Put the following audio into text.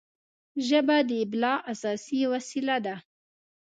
ژبه د ابلاغ اساسي وسیله ده